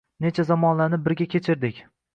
Necha zamonlarni birga kechirdik